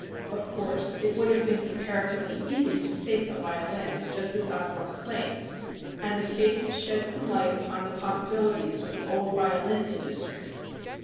Of course it would have been comparatively easy to "fake" a violin, just as Osborne claimed, and the case sheds some light upon the possibilities of the "old violin" industry.